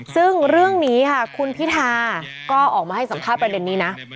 ซึ่งเรื่องนี้ค่ะคุณพิธาก็ออกมาให้สัมภาษณ์ประเด็นนี้นะ